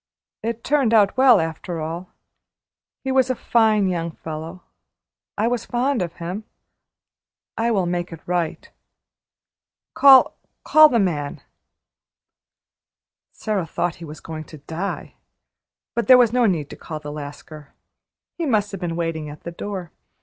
It turned out well after all. He was a fine young fellow. I was fond of him. I will make it right. Call call the man." Sara thought he was going to die. But there was no need to call the Lascar. He must have been waiting at the door.